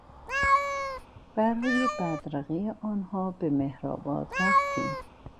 برای بدرقهی آنها به مهرآباد رفتیم.